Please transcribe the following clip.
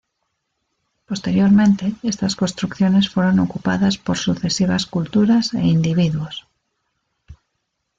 Posteriormente estas construcciones fueron ocupadas por sucesivas culturas e individuos.